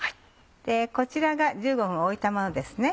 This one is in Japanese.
こちらが１５分置いたものです。